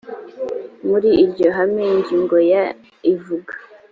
muri iryo hame ingingo ya ivuga